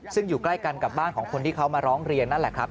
ซึ่งอยู่ใกล้กันกับบ้านของคนที่เขามาร้องเรียนนั่นแหละครับ